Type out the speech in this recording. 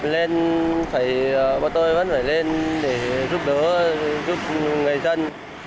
lên thì bọn tôi vẫn phải lên để giúp đỡ giúp người dân